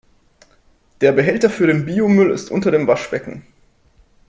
Der Behälter für den Biomüll ist unter dem Waschbecken.